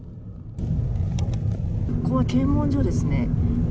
ここは検問所ですね。